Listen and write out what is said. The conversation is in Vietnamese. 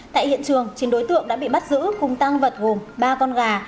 tại hiện trường chín đối tượng đã bị bắt giữ cùng tăng vật gồm ba con gà